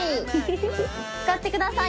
使ってください。